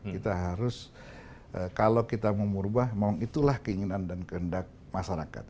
kita harus kalau kita mau merubah memang itulah keinginan dan kehendak masyarakat